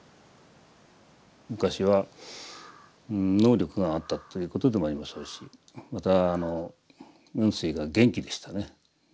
昔は能力があったということでもありましょうしまた雲水が元気でしたね。